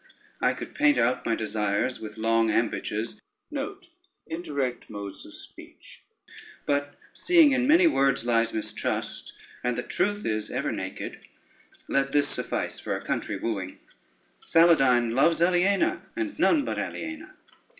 I could paint out my desires with long ambages; but seeing in many words lies mistrust, and that truth is ever naked, let this suffice for a country wooing, Saladyne loves Aliena, and none but Aliena."